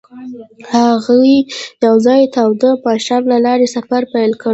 هغوی یوځای د تاوده ماښام له لارې سفر پیل کړ.